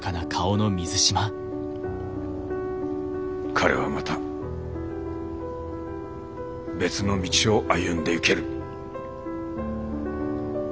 彼はまた別の道を歩んでいける。